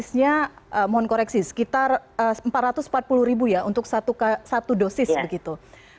saya mohon koreksi sekitar empat ratus empat puluh ribu ya untuk satu dosis begitu